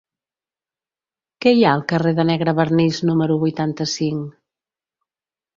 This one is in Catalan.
Què hi ha al carrer de Negrevernís número vuitanta-cinc?